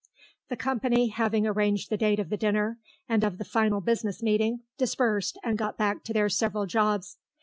The company, having arranged the date of the dinner, and of the final business meeting, dispersed and got back to their several jobs.